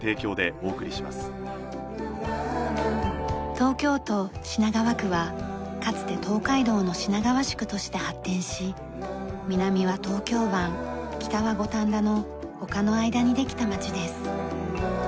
東京都品川区はかつて東海道の品川宿として発展し南は東京湾北は五反田の丘の間にできた街です。